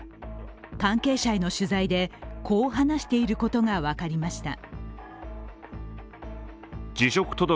関係者への取材でこう話していることが分かりました。